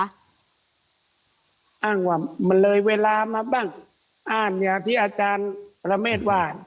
อ้างว่ามันเลยเวลามาบ้างอ้านอย่างที่อาจารย์ประเมฆว่า